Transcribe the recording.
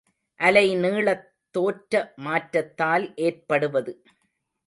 அலைநீளத்தோற்ற மாற்றத்தால் ஏற்படுவது.